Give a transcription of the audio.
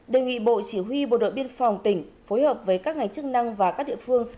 đề nghị bộ chỉ huy bộ đội biên phòng tỉnh phối hợp với các ngành chức năng và các địa phương